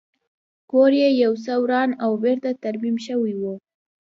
کور یې یو څه وران او بېرته ترمیم شوی و